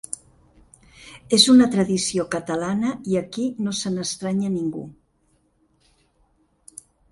És una tradició catalana i aquí no se n’estranya ningú.